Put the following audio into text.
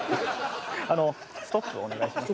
あのストップをお願いします。